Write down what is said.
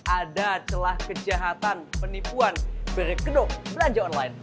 ada celah kejahatan penipuan berkedok belanja online